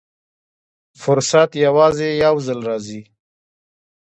فرصت یوازې یو ځل راځي.